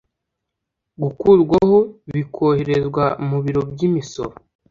gukurwaho bikoherezwa mu biro by'imisoro